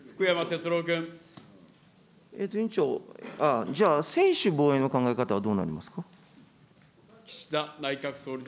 委員長、じゃあ、専守防衛の考え方はどうなりますか。